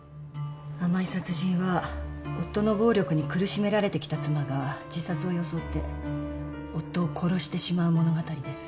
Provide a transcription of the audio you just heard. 『甘い殺人』は夫の暴力に苦しめられてきた妻が自殺を装って夫を殺してしまう物語です。